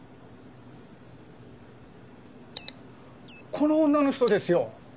この女の人ですよ！